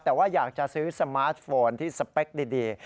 แต่ว่าอยากจะซื้อสมาร์ทโฟนที่สเปคดี